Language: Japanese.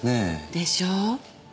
でしょう？